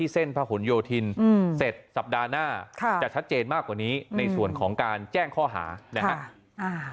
สัปดาห์หน้าจะชัดเจนมากกว่านี้ในส่วนของการแจ้งข้อหานะฮะ